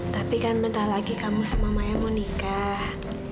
tapi kan bentar lagi kamu sama maya mau nikah